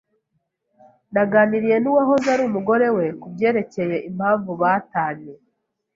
Naganiriye nuwahoze ari umugore wa kubyerekeye impamvu batanye.